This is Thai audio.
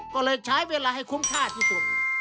ก็เลยใช้เวลาให้คุ้มค่าที่สุด